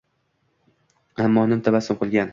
Ammo nim tabassum qilgan.